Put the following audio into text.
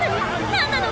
何なの！？